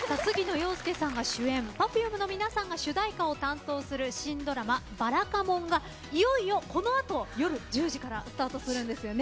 遥亮さんが主演Ｐｅｒｆｕｍｅの皆さんが主題歌を担当する新ドラマ「ばらかもん」がいよいよ、この後夜１０時からスタートするんですよね。